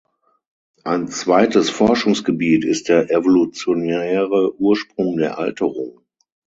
Ein zweites Forschungsgebiet ist der evolutionäre Ursprung der Alterung.